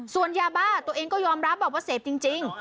ส่วนยาบ้าตัวเองก็ยอมรับบอกว่าเสพจริง